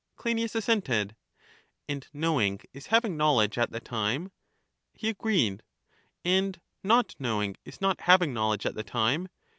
Cleinias assented. And knowing is having knowledge at the time? He agreed. And not knowing is not having knowledge at the time?